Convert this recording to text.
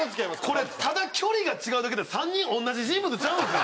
これただ距離が違うだけで３人同じ人物ちゃうんですか？